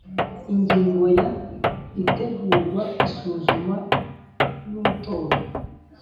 Ingingo ya itegurwa isuzuma n itorwa